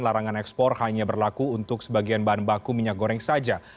larangan ekspor hanya berlaku untuk sebagian bahan baku minyak goreng saja